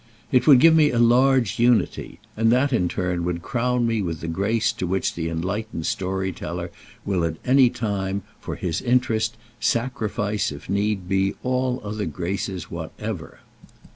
It would give me a large unity, and that in turn would crown me with the grace to which the enlightened story teller will at any time, for his interest, sacrifice if need be all other graces whatever.